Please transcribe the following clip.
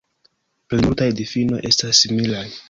Plej multaj difinoj estas similaj.